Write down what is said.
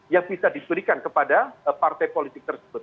yang bisa diberikan kepada partai politik tersebut